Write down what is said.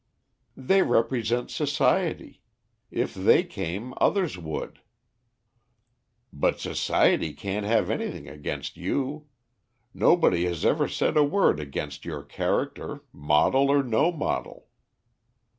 "They represent society. If they came, others would." "But society can't have anything against you. Nobody has ever said a word against your character, model or no model."